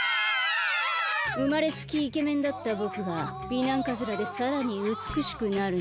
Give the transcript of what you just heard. うまれつきイケメンだったぼくが美男カズラでさらにうつくしくなるなんて。